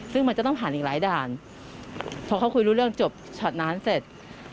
ซึ่งมันจะต้องผ่านอีกหลายด่านพอเขาคุยรู้เรื่องจบช็อตนั้นเสร็จ